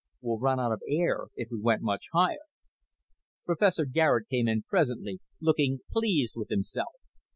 We'd run out of air if we went much higher." Professor Garet came in presently, looking pleased with himself.